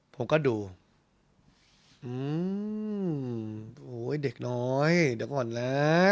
ผมก็ดูโหเด็กน้อยเดี๋ยวก่อนนะ